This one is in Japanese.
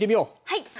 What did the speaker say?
はい。